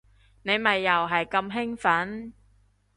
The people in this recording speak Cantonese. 你咪又係咁興奮